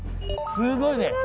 すごいね！